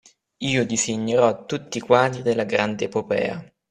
Io disegnerò tutti i quadri della grande epopea.